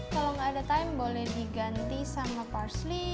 kalau enggak ada thyme boleh diganti sama parsley